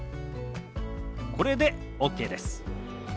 これでＯＫです。